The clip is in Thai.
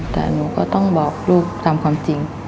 แต่หนูก็ต้องบอกลูกตามความจริง